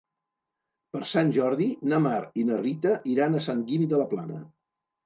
Per Sant Jordi na Mar i na Rita iran a Sant Guim de la Plana.